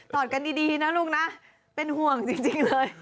อดกันดีนะลูกนะเป็นห่วงจริงเลย